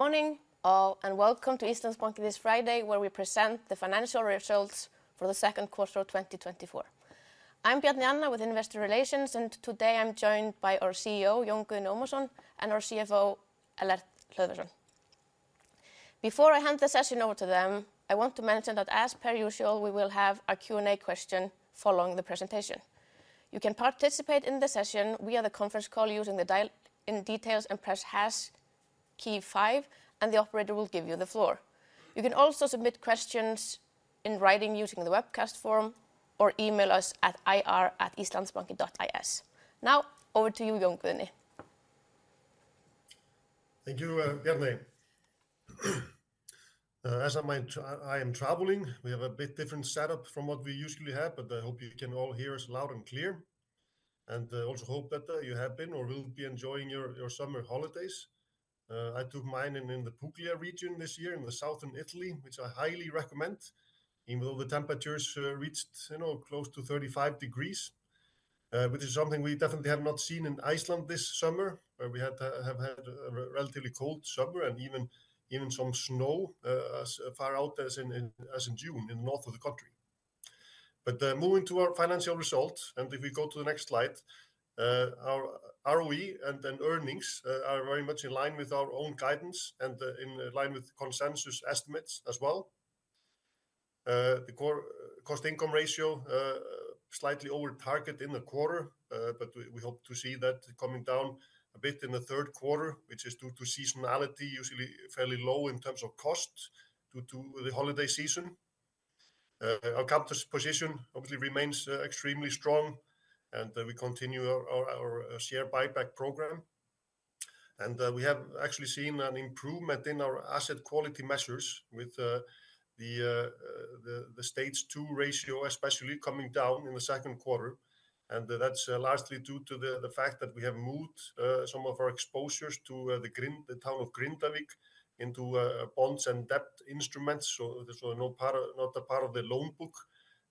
Morning, all, and welcome to Íslandsbanki this Friday, where we present the financial results for the second quarter of 2024. I'm Bjarney Anna with Investor Relations, and today I'm joined by our CEO, Jón Guðni Ómarsson, and our CFO, Ellert Hlöðversson. Before I hand the session over to them, I want to mention that as per usual, we will have a Q&A question following the presentation. You can participate in the session via the conference call using the dial-in details and press hash key five, and the operator will give you the floor. You can also submit questions in writing using the webcast forum or email us at ir@islandsbanki.is. Now, over to you, Jón Guðni. Thank you, Bjarney. I am traveling, we have a bit different setup from what we usually have, but I hope you can all hear us loud and clear. Also hope that you have been or will be enjoying your summer holidays. I took mine in the Puglia region this year, in the southern Italy, which I highly recommend, even though the temperatures reached, you know, close to 35 degrees. Which is something we definitely have not seen in Iceland this summer, where we have had a relatively cold summer and even some snow as far out as in June, in the north of the country. But, moving to our financial results, and if we go to the next slide, our ROE and then earnings are very much in line with our own guidance and in line with consensus estimates as well. The core cost-to-income ratio slightly over target in the quarter, but we hope to see that coming down a bit in the third quarter, which is due to seasonality, usually fairly low in terms of cost due to the holiday season. Our capital position obviously remains extremely strong, and we continue our share buyback program. And, we have actually seen an improvement in our asset quality measures with the Stage 2 ratio, especially coming down in the second quarter. That's lastly due to the fact that we have moved some of our exposures to the town of Grindavík into bonds and debt instruments, so there's no part, not a part of the loan book.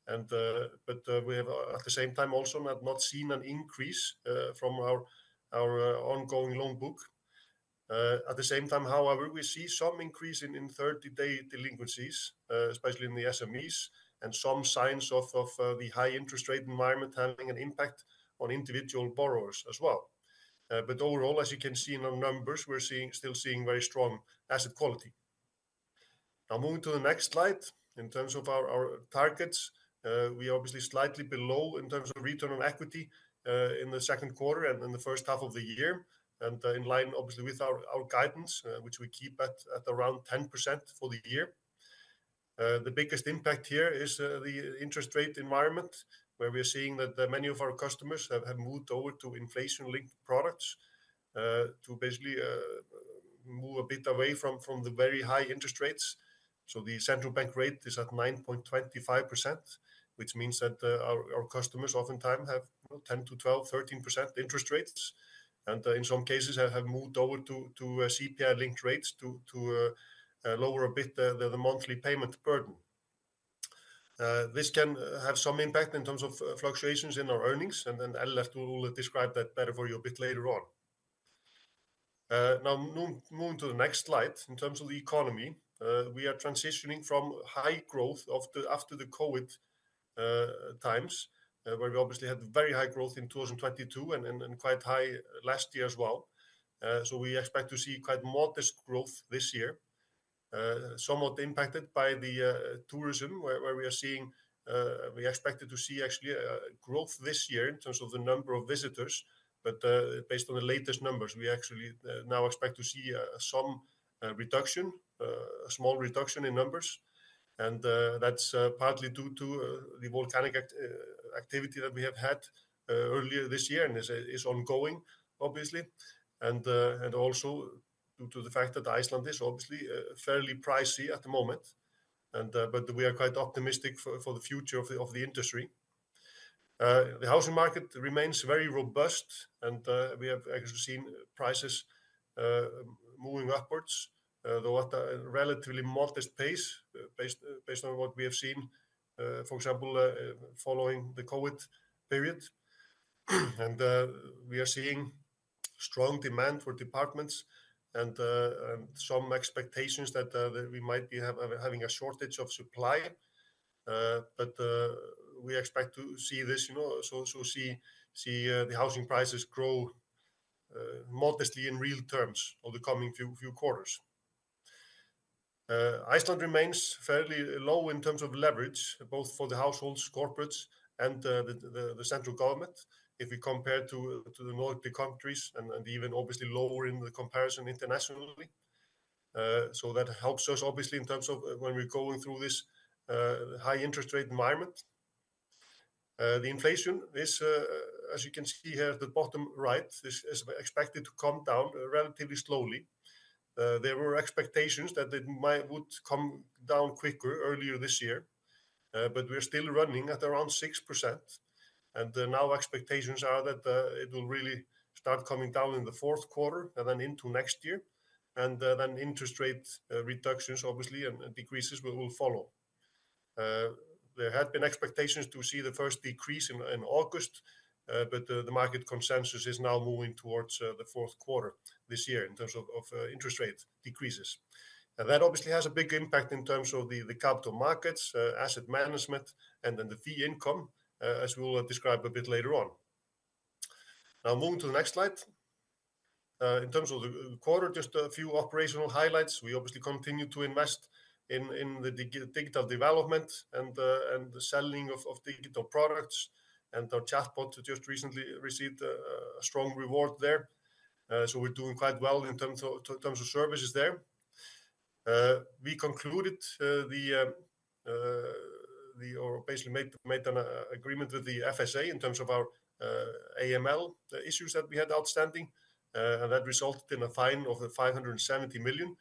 But we have at the same time also not seen an increase from our ongoing loan book. At the same time, however, we see some increase in thirty-day delinquencies, especially in the SMEs, and some signs of the high interest rate environment having an impact on individual borrowers as well. But overall, as you can see in our numbers, we're seeing, still seeing very strong asset quality. Now, moving to the next slide, in terms of our, our targets, we are obviously slightly below in terms of return on equity, in the second quarter and in the first half of the year, and in line obviously with our, our guidance, which we keep at, at around 10% for the year. The biggest impact here is the interest rate environment, where we're seeing that many of our customers have, have moved over to inflation-linked products, to basically move a bit away from, from the very high interest rates. So the central bank rate is at 9.25%, which means that, our customers oftentimes have 10%-13% interest rates, and, in some cases have moved over to CPI-linked rates to lower a bit the monthly payment burden. This can have some impact in terms of fluctuations in our earnings, and then Ellert will describe that better for you a bit later on. Now, moving to the next slide, in terms of the economy, we are transitioning from high growth after the COVID times, where we obviously had very high growth in 2022 and quite high last year as well. So we expect to see quite modest growth this year, somewhat impacted by the tourism, where we are seeing... we expected to see actually growth this year in terms of the number of visitors. But based on the latest numbers, we actually now expect to see some reduction, a small reduction in numbers. And that's partly due to the volcanic activity that we have had earlier this year, and is ongoing, obviously, and also due to the fact that Iceland is obviously fairly pricey at the moment. But we are quite optimistic for the future of the industry. The housing market remains very robust, and we have actually seen prices moving upwards, though at a relatively modest pace, based on what we have seen, for example, following the COVID period. And we are seeing strong demand for apartments and some expectations that we might be having a shortage of supply. But we expect to see this, you know, the housing prices grow modestly in real terms over the coming few quarters. Iceland remains fairly low in terms of leverage, both for the households, corporates, and the central government, if we compare to the Nordic countries and even obviously lower in the comparison internationally. So that helps us obviously, in terms of when we're going through this high interest rate environment. The inflation, this, as you can see here at the bottom right, this is expected to come down relatively slowly. There were expectations that it might would come down quicker earlier this year, but we're still running at around 6%. And now expectations are that it will really start coming down in the fourth quarter and then into next year, and then interest rate reductions obviously, and decreases will follow. There had been expectations to see the first decrease in August, but the market consensus is now moving towards the fourth quarter this year in terms of interest rate decreases. That obviously has a big impact in terms of the capital markets, asset management, and then the fee income, as we will describe a bit later on. Now, moving to the next slide. In terms of the quarter, just a few operational highlights. We obviously continue to invest in the digital development and the selling of digital products, and our chatbot just recently received a strong reward there. So we're doing quite well in terms of services there. We concluded or basically made an agreement with the FSA in terms of our AML, the issues that we had outstanding. That resulted in a fine of 570 million,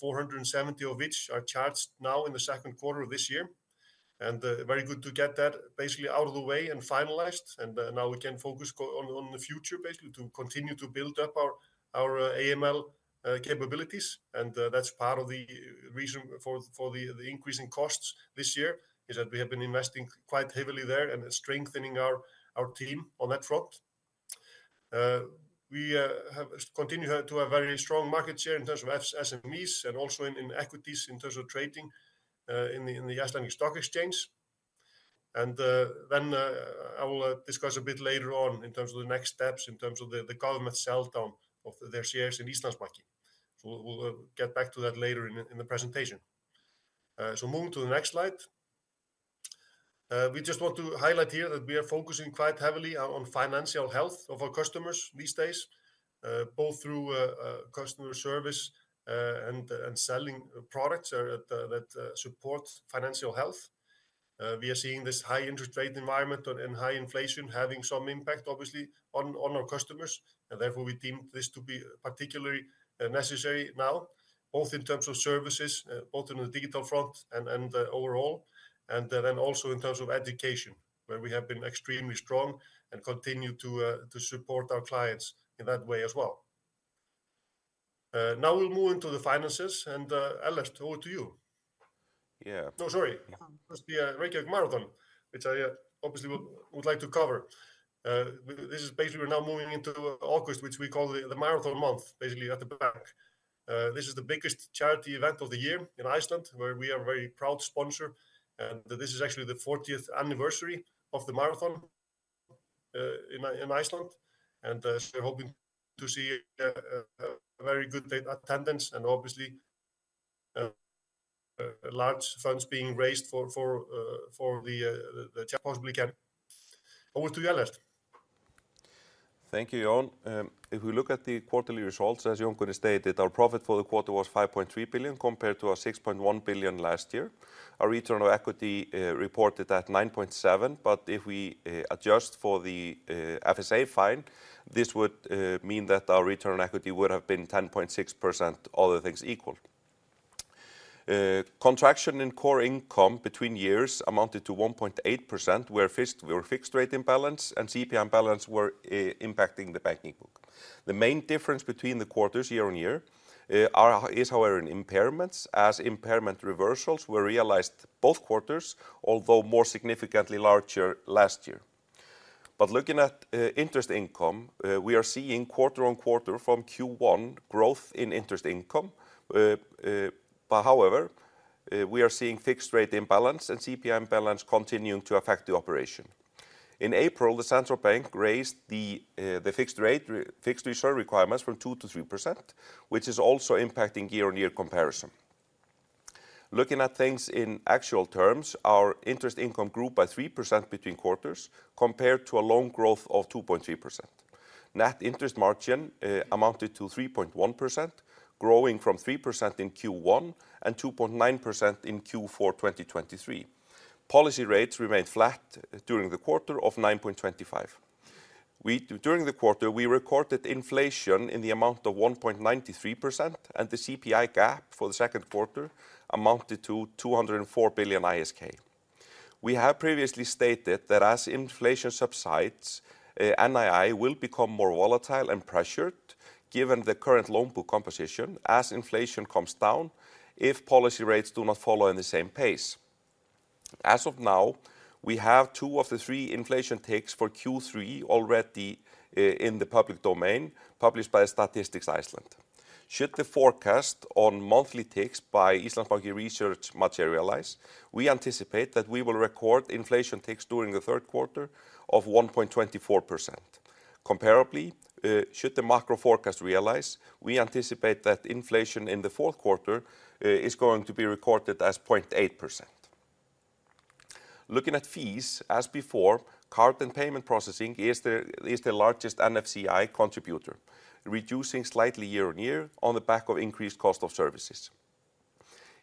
470 million of which are charged now in the second quarter of this year. Very good to get that basically out of the way and finalized, and now we can focus on the future, basically, to continue to build up our AML capabilities. That's part of the reason for the increase in costs this year, is that we have been investing quite heavily there and strengthening our team on that front. We have continued to have very strong market share in terms of SMEs and also in equities, in terms of trading in the Icelandic Stock Exchange. I will discuss a bit later on in terms of the next steps, in terms of the government sell-down of their shares in Íslandsbanki. So we'll get back to that later in the presentation. Moving to the next slide. We just want to highlight here that we are focusing quite heavily on financial health of our customers these days, both through customer service and selling products that support financial health. We are seeing this high interest rate environment and high inflation having some impact, obviously, on our customers, and therefore, we deem this to be particularly necessary now, both in terms of services, both on the digital front and overall, and then also in terms of education, where we have been extremely strong and continue to support our clients in that way as well. Now we'll move into the finances, and Ellert, over to you. Yeah. No, sorry. First, the Reykjavík Marathon, which I obviously would like to cover. This is basically we're now moving into August, which we call the marathon month, basically, at the bank. This is the biggest charity event of the year in Iceland, where we are a very proud sponsor, and this is actually the 40th anniversary of the marathon in Iceland, and so we're hoping to see a very good attendance and obviously large funds being raised for the charitable causes. Over to you, Ellert. Thank you, Jón. If we look at the quarterly results, as Jón Guðni stated, our profit for the quarter was 5.3 billion, compared to our 6.1 billion last year. Our return on equity reported at 9.7, but if we adjust for the FSA fine, this would mean that our return on equity would have been 10.6%, all other things equal. Contraction in core income between years amounted to 1.8%, where fixed rate imbalance and CPI imbalance were impacting the banking book. The main difference between the quarters year on year is, however, in impairments, as impairment reversals were realized both quarters, although more significantly larger last year. Looking at interest income, we are seeing quarter on quarter from Q1 growth in interest income. but however, we are seeing fixed rate imbalance and CPI imbalance continuing to affect the operation. In April, the Central Bank raised the fixed rate refixed reserve requirements from 2%–3%, which is also impacting year-on-year comparison. Looking at things in actual terms, our interest income grew by 3% between quarters, compared to a loan growth of 2.3%. Net interest margin amounted to 3.1%, growing from 3% in Q1 and 2.9% in Q4 2023. Policy rates remained flat during the quarter of 9.25. During the quarter, we recorded inflation in the amount of 1.93%, and the CPI gap for the second quarter amounted to 204 billion ISK. We have previously stated that as inflation subsides, NII will become more volatile and pressured, given the current loan book composition, as inflation comes down, if policy rates do not follow in the same pace. As of now, we have two of the three inflation ticks for Q3 already in the public domain, published by Statistics Iceland. Should the forecast on monthly ticks by Íslandsbanki Research materialize, we anticipate that we will record inflation ticks during the third quarter of 1.24%. Comparably, should the macro forecast realize, we anticipate that inflation in the fourth quarter is going to be recorded as 0.8%. Looking at fees, as before, card and payment processing is the largest NFCI contributor, reducing slightly year-on-year on the back of increased cost of services.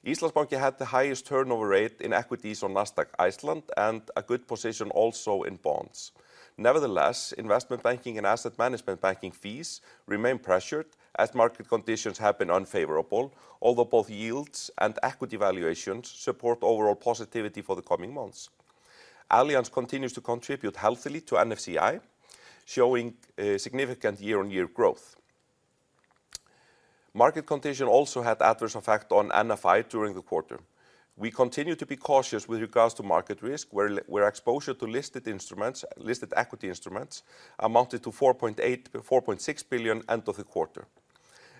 Íslandsbanki had the highest turnover rate in equities on Nasdaq Iceland and a good position also in bonds. Nevertheless, investment banking and asset management banking fees remain pressured as market conditions have been unfavorable, although both yields and equity valuations support overall positivity for the coming months. Allianz continues to contribute healthily to NFCI, showing significant year-on-year growth. Market condition also had adverse effect on NFI during the quarter. We continue to be cautious with regards to market risk, where exposure to listed instruments, listed equity instruments, amounted to 4.8 billion, 4.6 billion end of the quarter.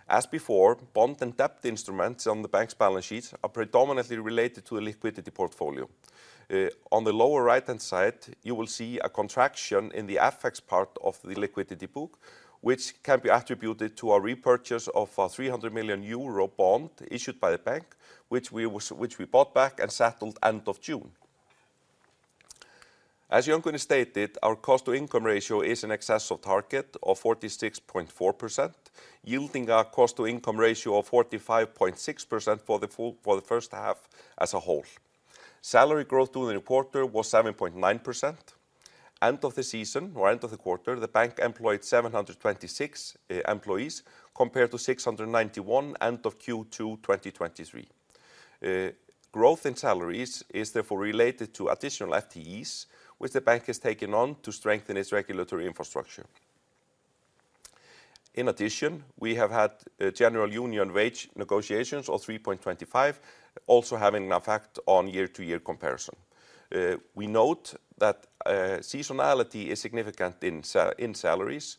As before, bond and debt instruments on the bank's balance sheets are predominantly related to a liquidity portfolio. On the lower right-hand side, you will see a contraction in the FX part of the liquidity book, which can be attributed to a repurchase of a 300 million euro bond issued by the bank, which we bought back and settled end of June. As Jón Guðni stated, our cost-to-income ratio is in excess of target of 46.4%, yielding a cost-to-income ratio of 45.6% for the full, for the first half as a whole. Salary growth during the quarter was 7.9%. End of the season or end of the quarter, the bank employed 726 employees, compared to 691 end of Q2 2023. Growth in salaries is therefore related to additional FTEs, which the bank has taken on to strengthen its regulatory infrastructure. In addition, we have had a general union wage negotiations of 3.25, also having an effect on year-to-year comparison. We note that seasonality is significant in salaries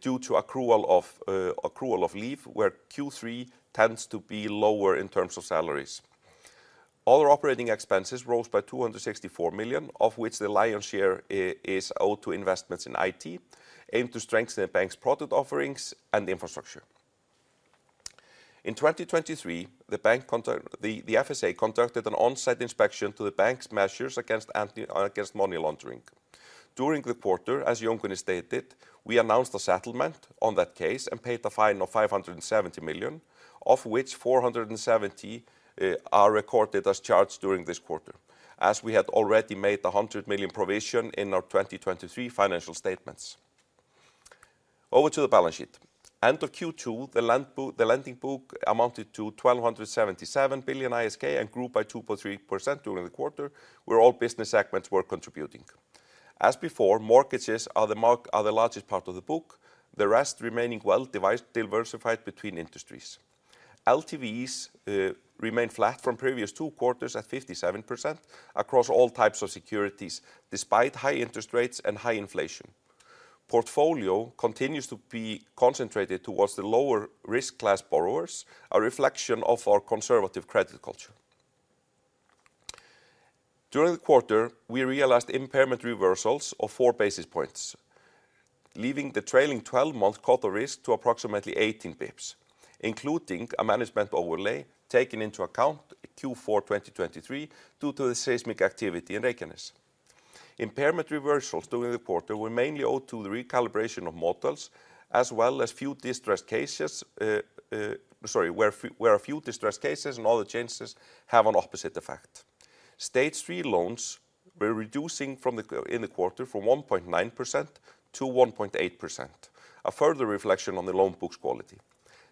due to accrual of accrual of leave, where Q3 tends to be lower in terms of salaries. Other operating expenses rose by 264 million, of which the lion's share is owed to investments in IT, aimed to strengthen the bank's product offerings and infrastructure. In 2023, the bank, the FSA conducted an on-site inspection to the bank's measures against anti-money laundering. During the quarter, as Jón Guðni stated, we announced a settlement on that case and paid a fine of 570 million, of which 470 are recorded as charged during this quarter, as we had already made a 100 million provision in our 2023 financial statements. Over to the balance sheet. End of Q2, the lending book amounted to 1,277 billion ISK and grew by 2.3% during the quarter, where all business segments were contributing. As before, mortgages are the largest part of the book, the rest remaining well diversified between industries. LTVs remain flat from previous two quarters at 57% across all types of securities, despite high interest rates and high inflation. Portfolio continues to be concentrated towards the lower risk class borrowers, a reflection of our conservative credit culture. During the quarter, we realized impairment reversals of 4 basis points, leaving the trailing twelve-month cost of risk to approximately 18 basis points, including a management overlay taken into account Q4 2023, due to the seismic activity in Reykjanes. Impairment reversals during the quarter were mainly due to the recalibration of models, as well as a few distressed cases and other changes have an opposite effect. Stage 3 loans were reducing in the quarter from 1.9%–1.8%, a further reflection on the loan book's quality.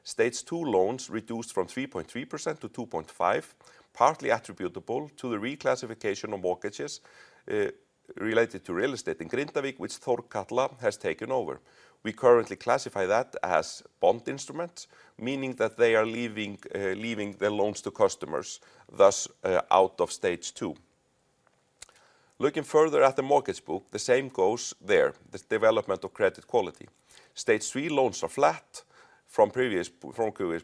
Stage 2 loans reduced from 3.3%–2.5%, partly attributable to the reclassification of mortgages related to real estate in Grindavík, which Þórkatla has taken over. We currently classify that as bond instruments, meaning that they are leaving the loans to customers, thus out of Stage 2. Looking further at the mortgage book, the same goes there, the development of credit quality. Stage 3 loans are flat from previous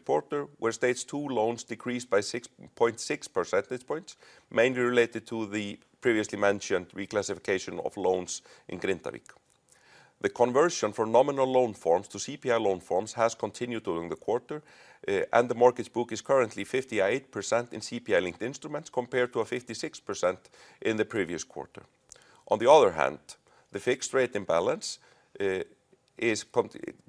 quarter, where Stage 2 loans decreased by 6.6 percentage points, mainly related to the previously mentioned reclassification of loans in Grindavík. The conversion for nominal loan forms to CPI loan forms has continued during the quarter, and the mortgage book is currently 58% in CPI-linked instruments, compared to a 56% in the previous quarter. On the other hand, the fixed rate imbalance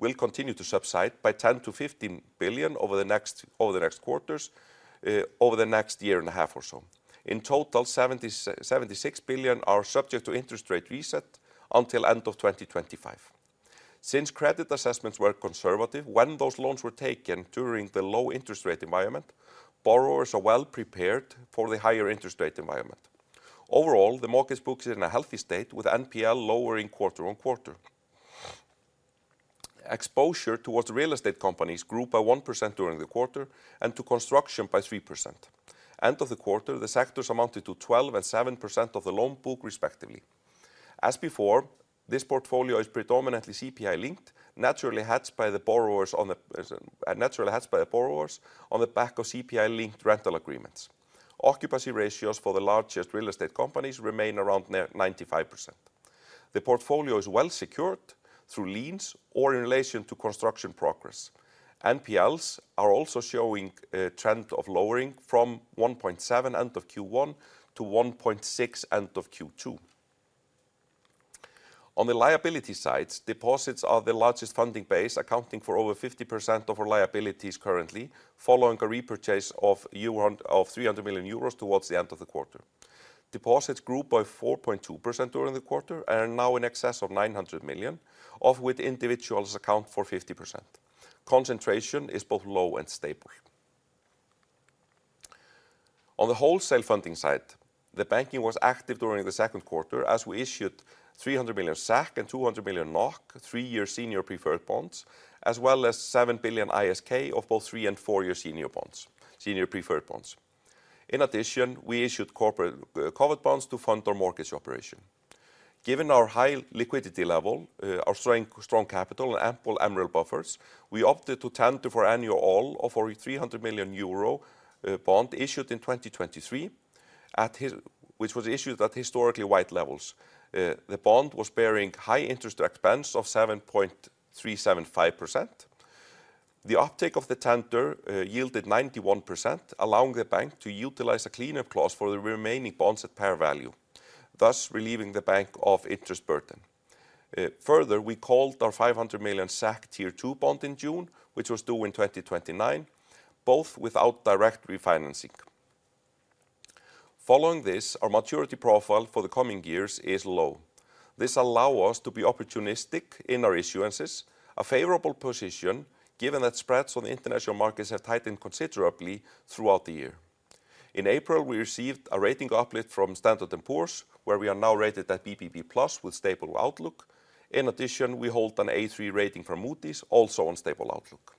will continue to subside by 10-15 billion over the next, over the next quarters, over the next year and a half or so. In total, 76 billion are subject to interest rate reset until end of 2025. Since credit assessments were conservative, when those loans were taken during the low interest rate environment, borrowers are well prepared for the higher interest rate environment. Overall, the mortgage book is in a healthy state, with NPL lowering quarter-over-quarter. Exposure towards real estate companies grew by 1% during the quarter, and to construction by 3%. End of the quarter, the sectors amounted to 12% and 7% of the loan book, respectively. As before, this portfolio is predominantly CPI-linked, naturally hedged by the borrowers on the back of CPI-linked rental agreements. Occupancy ratios for the largest real estate companies remain around near 95%. The portfolio is well secured through liens or in relation to construction progress. NPLs are also showing a trend of lowering from 1.7 end of Q1 to 1.6 end of Q2. On the liability side, deposits are the largest funding base, accounting for over 50% of our liabilities currently, following a repurchase of euro- of 300 million euros towards the end of the quarter. Deposits grew by 4.2% during the quarter, and are now in excess of 900 million, of which individuals account for 50%. Concentration is both low and stable. On the wholesale funding side, the bank was active during the second quarter, as we issued 300 million and 200 million NOK three-year senior preferred bonds, as well as 7 billion ISK of both three- and four-year senior preferred bonds. In addition, we issued corporate covered bonds to fund our mortgage operation. Given our high liquidity level, our strong, strong capital and ample MREL buffers, we opted to tender for and call all of our 300 million euro bond issued in 2023, which was issued at historically wide levels. The bond was bearing high interest expense of 7.375%. The uptake of the tender yielded 91%, allowing the bank to utilize a cleanup clause for the remaining bonds at par value, thus relieving the bank of interest burden. Further, we called our 500 million SEK Tier 2 bond in June, which was due in 2029, both without direct refinancing. Following this, our maturity profile for the coming years is low. This allow us to be opportunistic in our issuances, a favorable position, given that spreads on the international markets have tightened considerably throughout the year. In April, we received a rating uplift from Standard and Poor's, where we are now rated at BBB+, with stable outlook. In addition, we hold an A3 rating from Moody's, also on stable outlook.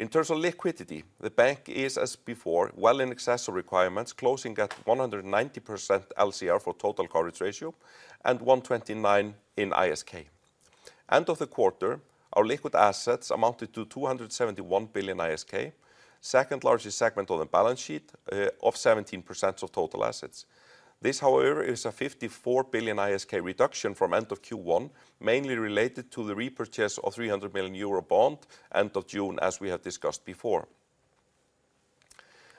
In terms of liquidity, the bank is, as before, well in excess of requirements, closing at 190% LCR for total coverage ratio and 129 in ISK. End of the quarter, our liquid assets amounted to 271 billion ISK, second largest segment on the balance sheet, of 17% of total assets. This, however, is a 54 billion ISK reduction from end of Q1, mainly related to the repurchase of 300 million euro bond, end of June, as we have discussed before.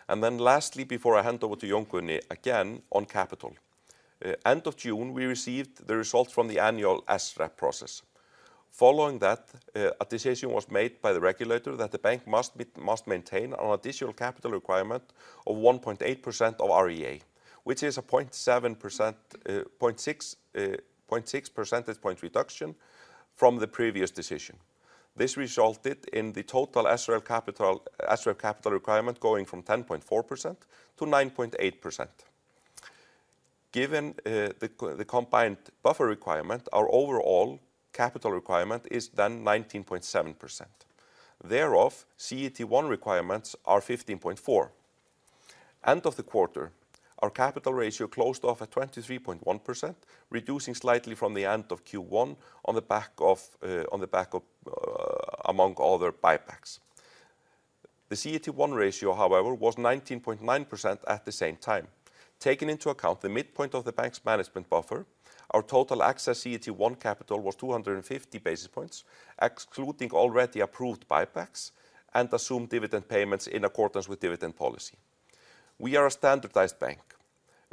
And then lastly, before I hand over to Jón Guðni, again, on capital. End of June, we received the results from the annual SREP process. Following that, a decision was made by the regulator that the bank must maintain an additional capital requirement of 1.8% of REA, which is a point seven percent, point six, point six percentage point reduction from the previous decision. This resulted in the total SREP capital, SREP capital requirement going from 10.4%–9.8%. Given, the combined buffer requirement, our overall capital requirement is then 19.7%. Therefore, CET1 requirements are 15.4. End of the quarter, our capital ratio closed off at 23.1%, reducing slightly from the end of Q1 on the back of, on the back of, among other buybacks. The CET1 ratio, however, was 19.9% at the same time. Taking into account the midpoint of the bank's management buffer, our total access CET1 capital was 250 basis points, excluding already approved buybacks and assumed dividend payments in accordance with dividend policy. We are a standardized bank.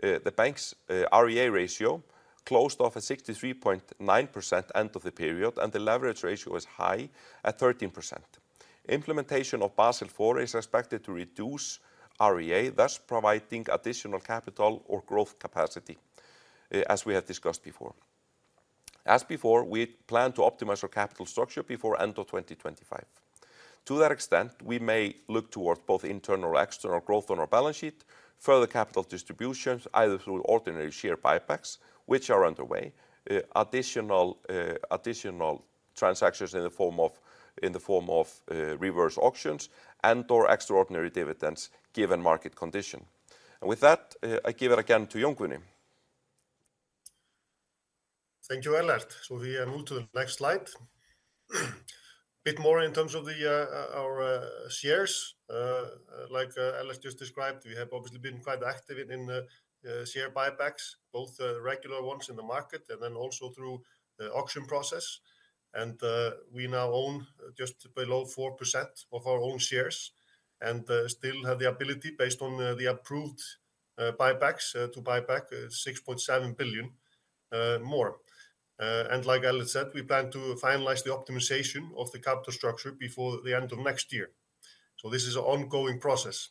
The bank's REA ratio closed off at 63.9% end of the period, and the leverage ratio is high at 13%. Implementation of Basel IV is expected to reduce REA, thus providing additional capital or growth capacity, as we have discussed before. As before, we plan to optimize our capital structure before end of 2025. To that extent, we may look towards both internal or external growth on our balance sheet, further capital distributions, either through ordinary share buybacks, which are underway, additional transactions in the form of reverse auctions, and or extraordinary dividends, given market condition. With that, I give it again to Jón Guðni Ómarsson. Thank you, Ellert. So we move to the next slide. A bit more in terms of our shares. Like Ellert just described, we have obviously been quite active in share buybacks, both regular ones in the market and then also through the auction process. And we now own just below 4% of our own shares and still have the ability, based on the approved buybacks, to buy back 6.7 billion more. And like Ellert said, we plan to finalize the optimization of the capital structure before the end of next year. So this is an ongoing process.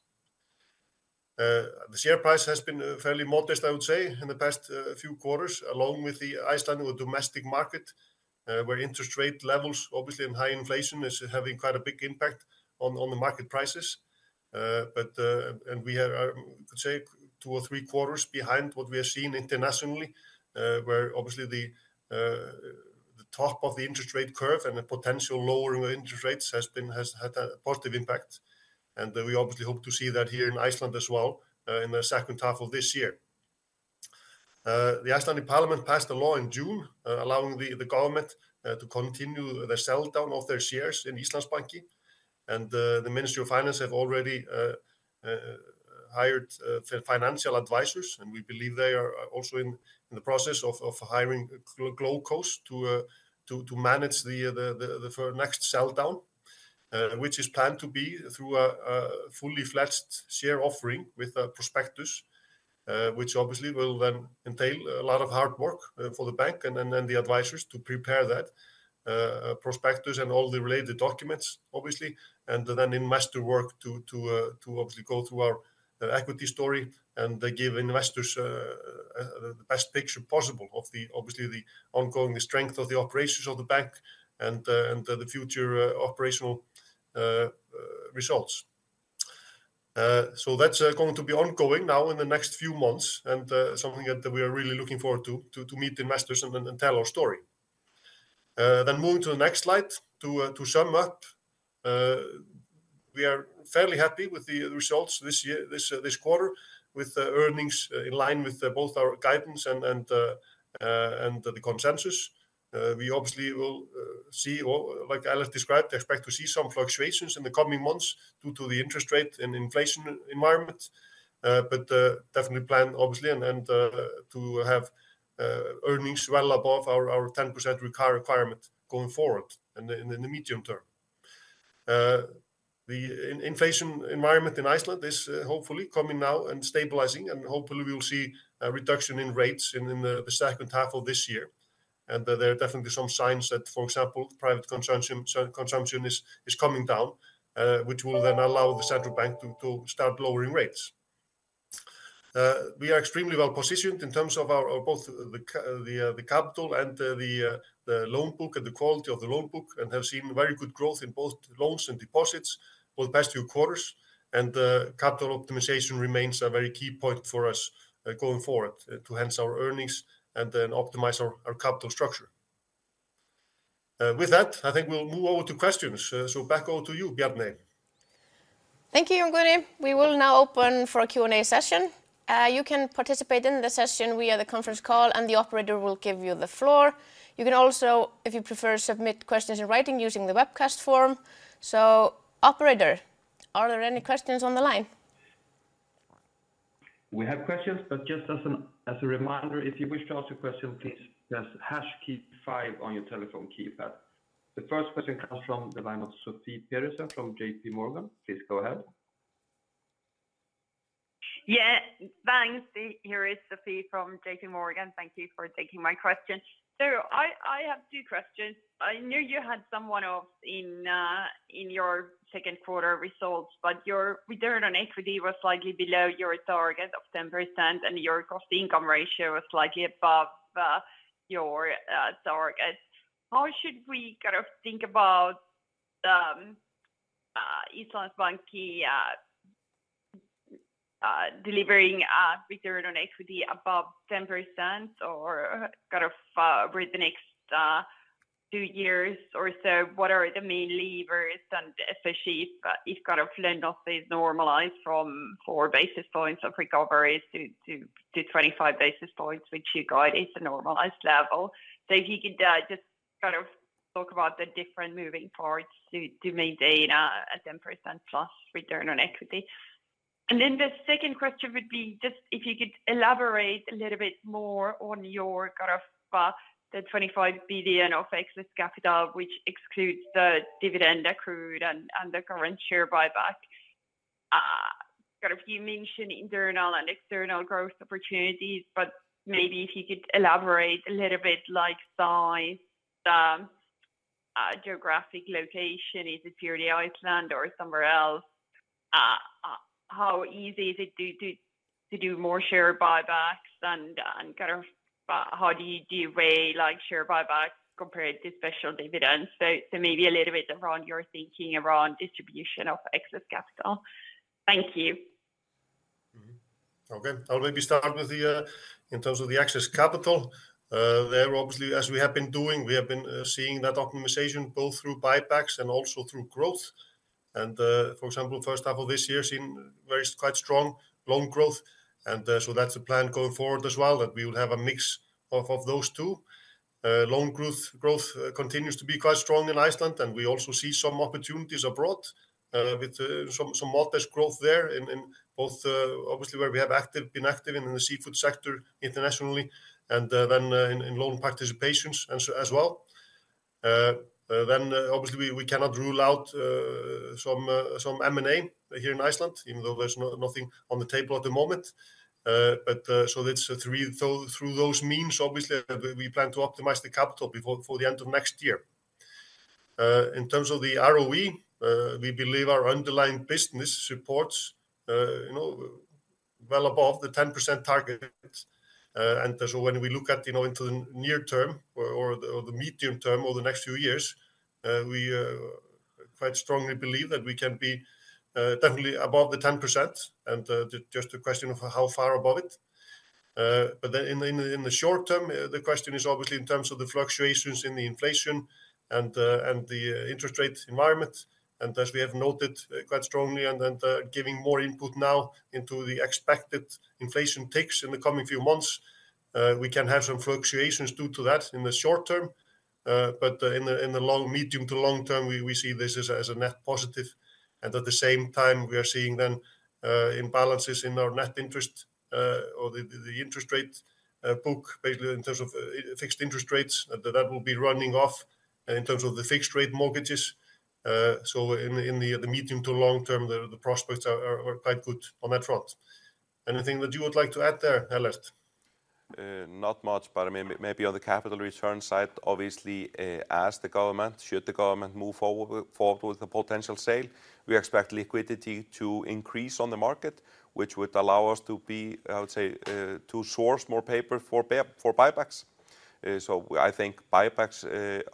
The share price has been fairly modest, I would say, in the past few quarters, along with the Icelandic domestic market, where interest rate levels, obviously, and high inflation is having quite a big impact on the market prices. And we are, say, two or three quarters behind what we are seeing internationally, where obviously the top of the interest rate curve and the potential lowering of interest rates has had a positive impact. And we obviously hope to see that here in Iceland as well, in the second half of this year. The Icelandic parliament passed a law in June, allowing the government to continue the sell down of their shares in Íslandsbanki. The Ministry of Finance have already hired financial advisors, and we believe they are also in the process of hiring Global Coordinators to manage the next sell down, which is planned to be through a fully fledged share offering with a prospectus, which obviously will then entail a lot of hard work for the bank and then the advisors to prepare that prospectus and all the related documents, obviously, and then immense work to obviously go through the equity story, and they give investors the best picture possible of obviously the ongoing strength of the operations of the bank and the future operational results. So that's going to be ongoing now in the next few months, and something that we are really looking forward to, to meet investors and then tell our story. Then moving to the next slide, to sum up, we are fairly happy with the results this year, this quarter, with the earnings in line with the both our guidance and the consensus. We obviously will see or like Ellert described, expect to see some fluctuations in the coming months due to the interest rate and inflation environment. But definitely plan, obviously, to have earnings well above our 10% requirement going forward in the medium term. The inflation environment in Iceland is hopefully coming now and stabilizing, and hopefully we will see a reduction in rates in the second half of this year. There are definitely some signs that, for example, private consumption is coming down, which will then allow the Central Bank to start lowering rates. We are extremely well positioned in terms of both our capital and the loan book and the quality of the loan book, and have seen very good growth in both loans and deposits for the past few quarters. Capital optimization remains a very key point for us going forward, to enhance our earnings and then optimize our capital structure. With that, I think we'll move over to questions. So back over to you, Bjarney. Thank you, Guõi. We will now open for a Q&A session. You can participate in the session via the conference call, and the operator will give you the floor. You can also, if you prefer, submit questions in writing using the webcast form. Operator, are there any questions on the line? We have questions, but just as a reminder, if you wish to ask a question, please press hash key five on your telephone keypad. The first question comes from the line of Sofie Peterzens from J.P. Morgan. Please go ahead. Yeah, thanks. Here is Sophie from J.P. Morgan. Thank you for taking my question. So I have two questions. I knew you had someone else in your second quarter results, but your return on equity was slightly below your target of 10%, and your cost income ratio was slightly above your target. How should we kind of think about Íslandsbanki delivering return on equity above 10% or kind of over the next 2 years or so? What are the main levers, and especially if kind of lend off is normalized from 4 basis points of recoveries to 25 basis points, which you guide is a normalized level. So if you could just kind of talk about the different moving parts to maintain a 10%+ return on equity. Then the second question would be just if you could elaborate a little bit more on your kind of, the 25 billion of excess capital, which excludes the dividend accrued and the current share buyback. Kind of you mentioned internal and external growth opportunities, but maybe if you could elaborate a little bit like size, geographic location, is it purely Iceland or somewhere else? How easy is it to do more share buybacks and kind of, how do you weigh, like, share buybacks compared to special dividends? So maybe a little bit around your thinking around distribution of excess capital. Thank you. Mm-hmm. Okay, I'll maybe start with the, in terms of the excess capital. There obviously, as we have been doing, we have been seeing that optimization both through buybacks and also through growth. And, for example, first half of this year seen very, quite strong loan growth. And, so that's the plan going forward as well, that we will have a mix of, of those two. Loan growth, growth continues to be quite strong in Iceland, and we also see some opportunities abroad, with, some, some modest growth there in, in both, obviously, where we have active, been active in the seafood sector internationally and, then, in, in loan participations as, as well. Then, obviously, we cannot rule out some M&A here in Iceland, even though there's nothing on the table at the moment. But, so that's through those means, obviously, we plan to optimize the capital before, for the end of next year. In terms of the ROE, we believe our underlying business supports, you know, well above the 10% target. And so when we look at, you know, into the near term or the medium term or the next few years, we quite strongly believe that we can be definitely above the 10%, and just a question of how far above it. But then in the short term, the question is obviously in terms of the fluctuations in the inflation and the interest rate environment. And as we have noted quite strongly and then, giving more input now into the expected inflation takes in the coming few months, we can have some fluctuations due to that in the short term. But in the long, medium to long term, we see this as a net positive. And at the same time, we are seeing then, imbalances in our net interest, or the interest rate book, basically in terms of fixed interest rates, that will be running off in terms of the fixed rate mortgages. So in the medium to long term, the prospects are quite good on that front. Anything that you would like to add there, Ellert?... not much, but maybe on the capital return side, obviously, as the government, should the government move forward with the potential sale, we expect liquidity to increase on the market, which would allow us to be, I would say, to source more paper for buybacks. So I think buybacks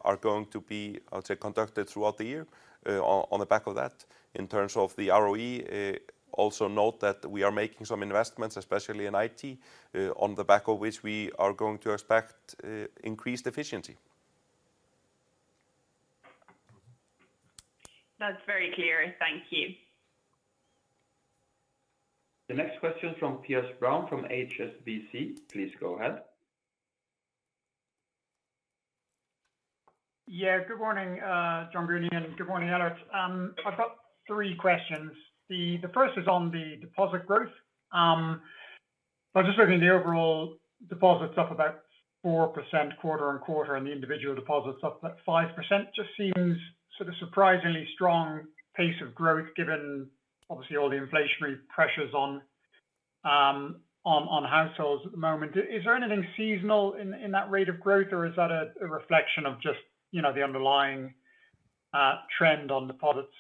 are going to be, I would say, conducted throughout the year, on the back of that. In terms of the ROE, also note that we are making some investments, especially in IT, on the back of which we are going to expect increased efficiency. That's very clear. Thank you. The next question from Piers Brown from HSBC. Please go ahead. Yeah. Good morning, Jón Guðni, and good morning, Ellert. I've got three questions. The first is on the deposit growth. So just looking at the overall deposits up about 4% quarter-on-quarter, and the individual deposits up about 5%, just seems sort of surprisingly strong pace of growth, given obviously all the inflationary pressures on households at the moment. Is there anything seasonal in that rate of growth, or is that a reflection of just, you know, the underlying trend on deposits?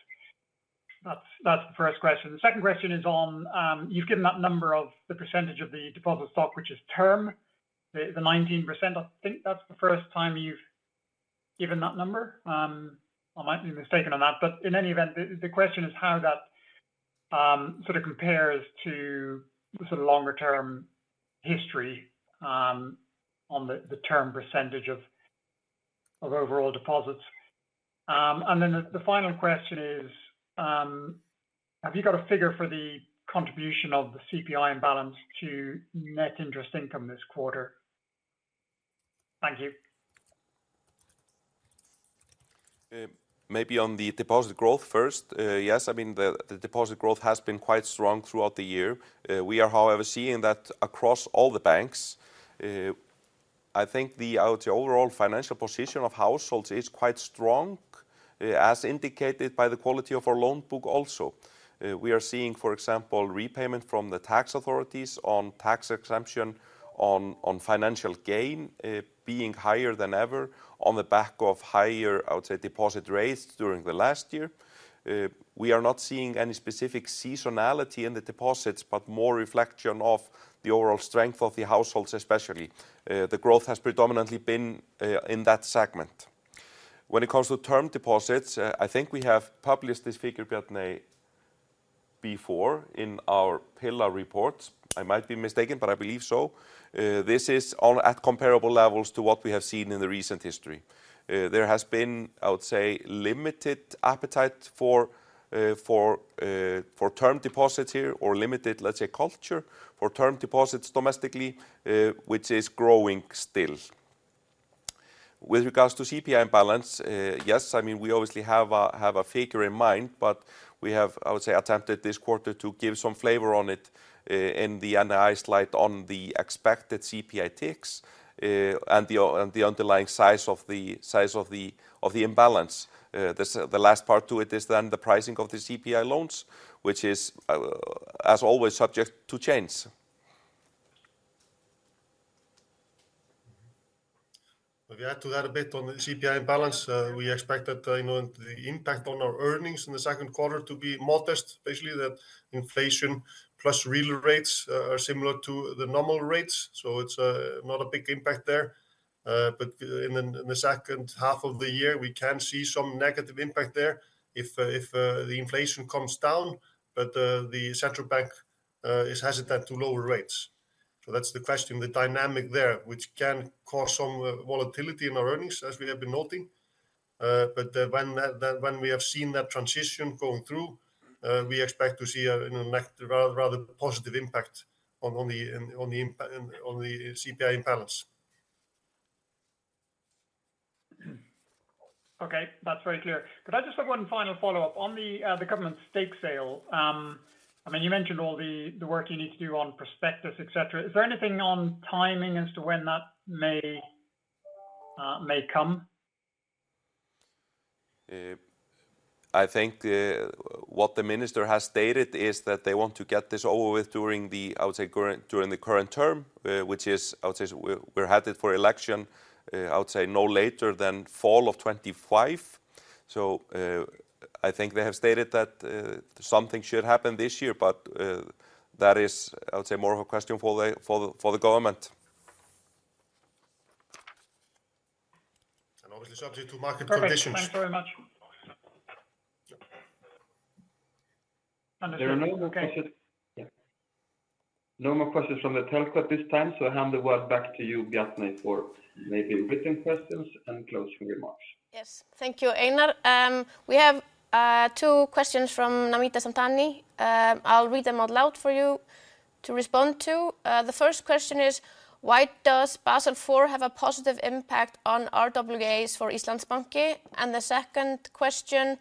That's the first question. The second question is on... You've given that number of the percentage of the deposit stock, which is term, the 19%. I think that's the first time you've given that number. I might be mistaken on that, but in any event, the question is how that sort of compares to the sort of longer term history on the term percentage of overall deposits. And then the final question is, have you got a figure for the contribution of the CPI imbalance to net interest income this quarter? Thank you. Maybe on the deposit growth first. Yes, I mean, the deposit growth has been quite strong throughout the year. We are, however, seeing that across all the banks. I think the, I would say, overall financial position of households is quite strong, as indicated by the quality of our loan book also. We are seeing, for example, repayment from the tax authorities on tax exemption, on financial gain, being higher than ever on the back of higher, I would say, deposit rates during the last year. We are not seeing any specific seasonality in the deposits, but more reflection of the overall strength of the households, especially. The growth has predominantly been in that segment. When it comes to term deposits, I think we have published this figure, Bjarney, before in our Pillar reports. I might be mistaken, but I believe so. This is all at comparable levels to what we have seen in the recent history. There has been, I would say, limited appetite for term deposits here, or limited, let's say, culture for term deposits domestically, which is growing still. With regards to CPI imbalance, yes, I mean, we obviously have a figure in mind, but we have, I would say, attempted this quarter to give some flavor on it, in the analyzed light on the expected CPI ticks, and the underlying size of the imbalance. The last part to it is then the pricing of the CPI loans, which is, as always, subject to change. If we add to that a bit on the CPI imbalance, we expect that, you know, the impact on our earnings in the second quarter to be modest. Basically, the inflation plus real rates are similar to the normal rates, so it's not a big impact there. But in the second half of the year, we can see some negative impact there if the inflation comes down, but the central bank is hesitant to lower rates. So that's the question, the dynamic there, which can cause some volatility in our earnings, as we have been noting. But when that, when we have seen that transition going through, we expect to see a, you know, like rather, rather positive impact on the CPI imbalance. Okay, that's very clear. Could I just have one final follow-up? On the government stake sale, I mean, you mentioned all the work you need to do on prospectus, et cetera. Is there anything on timing as to when that may come? I think what the minister has stated is that they want to get this over with during the, I would say, current term, which is, I would say, we're headed for election, I would say, no later than fall of 2025. So, I think they have stated that something should happen this year, but that is, I would say, more of a question for the government. Obviously subject to market conditions. Perfect. Thanks very much. Understood. Okay. There are no more questions... Yeah. No more questions from the telco at this time, so I hand the word back to you, Bjarney, for maybe written questions and closing remarks. Yes. Thank you, Einar. We have two questions from Namita Samtani. I'll read them out loud for you to respond to. The first question is: Why does Basel IV have a positive impact on RWAs for Íslandsbanki? And the second question: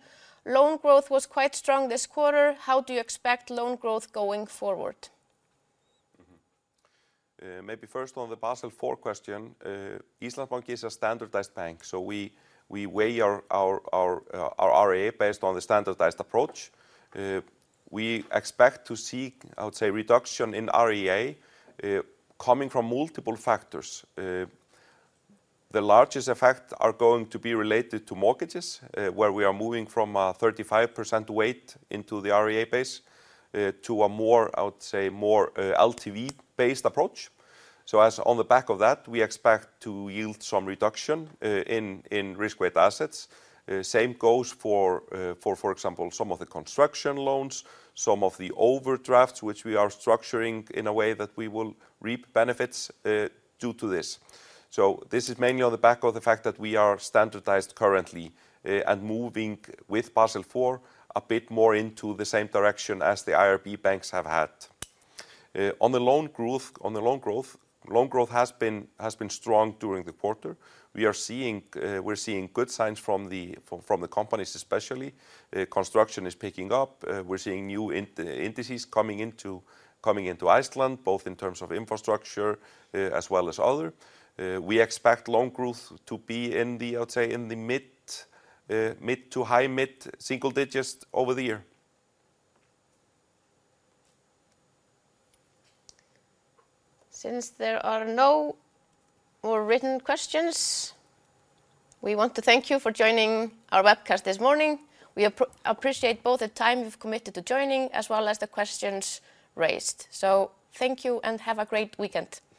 Loan growth was quite strong this quarter. How do you expect loan growth going forward? Mm-hmm. Maybe first on the Basel IV question. Íslandsbanki is a standardized bank, so we weigh our REA based on the standardized approach. We expect to see, I would say, reduction in REA coming from multiple factors. The largest effect are going to be related to mortgages, where we are moving from a 35% weight into the REA base to a more, I would say, more LTV-based approach. So as on the back of that, we expect to yield some reduction in risk-weighted assets. Same goes for, for example, some of the construction loans, some of the overdrafts, which we are structuring in a way that we will reap benefits due to this. So this is mainly on the back of the fact that we are standardized currently, and moving with Basel IV a bit more into the same direction as the IRB banks have had. On the loan growth, loan growth has been strong during the quarter. We're seeing good signs from the companies, especially. Construction is picking up. We're seeing new industries coming into Iceland, both in terms of infrastructure, as well as other. We expect loan growth to be in the mid- to high mid-single digits over the year, I would say. Since there are no more written questions, we want to thank you for joining our webcast this morning. We appreciate both the time you've committed to joining, as well as the questions raised. Thank you and have a great weekend. Thank you. Thank you all.